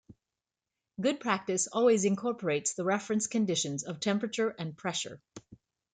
Good practice always incorporates the reference conditions of temperature and pressure.